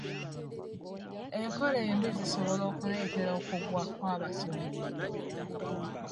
Enkola embi zisobola okuleetera okugwa kw'abasomi.